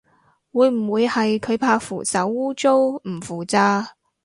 會唔會係佢怕扶手污糟唔扶咋